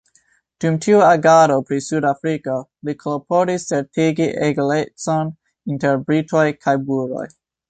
Dum tiu agado pri Sudafriko, li klopodis certigi egalecon inter Britoj kaj Buroj.